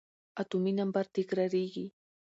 اتومي نمبر تکرارېږي.